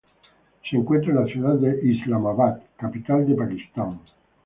Se encuentra en la ciudad de Islamabad, capital de Pakistán.